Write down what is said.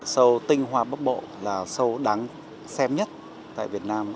sâu tinh hoa bắc bộ là sâu đáng xem nhất tại việt nam